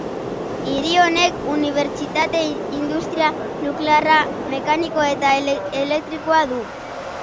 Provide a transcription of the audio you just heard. Hiri honek Unibertsitatea, industria nuklearra, mekanikoa eta elektrikoa du.